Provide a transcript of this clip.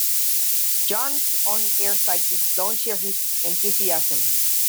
Jon's on-air sidekicks don't share his enthusiasm.